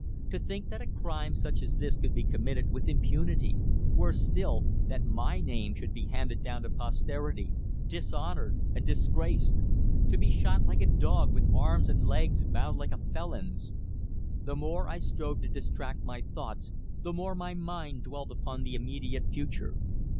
To think that a crime such as this could be committed with impunity; worse still, that my name should be handed down to posterity dishonoured and disgraced. To be shot like a dog, with arms and legs bound like a felon's! The more I strove to distract my thoughts the more my mind dwelt upon the immediate future.